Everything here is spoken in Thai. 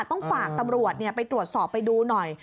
ต้องฝากตำรวจไปตรวจสอบไปดูหน่อย